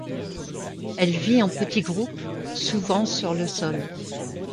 Elle vit en petits groupes, souvent sur le sol.